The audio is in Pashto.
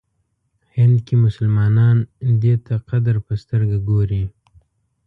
هند کې مسلمانان دی ته قدر په سترګه ګوري.